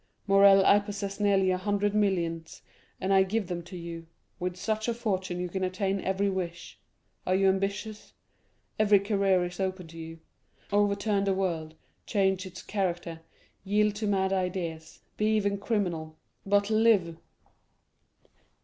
Morrel, I possess nearly a hundred millions and I give them to you; with such a fortune you can attain every wish. Are you ambitious? Every career is open to you. Overturn the world, change its character, yield to mad ideas, be even criminal—but live."